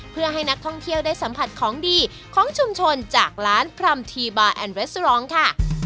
เพื่อให้นักท่องเที่ยวได้สัมผัสของดีของชุมชนจากร้านพรัมทีบาร์แอนเรสรองค่ะ